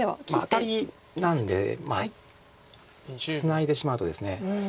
アタリなんでまあツナいでしまうとですね。